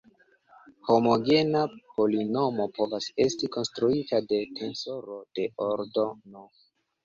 Homogena polinomo povas esti konstruita de tensoro de ordo "n".